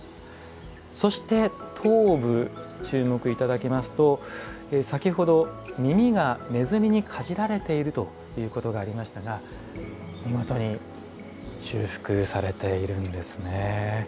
そして頭部、注目いただきますと先ほど、耳がねずみにかじられているということがありましたが見事に修復されているんですね。